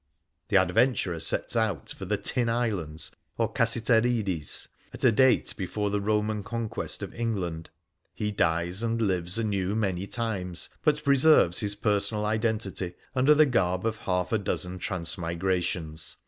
The Adventurer sets out for the ' tin islands,' or Cassiterides, at a date before the Eoman conquest of England. He dies and lives anew many times, but preserves his personal identity under the garb of half a dozen transmigrations.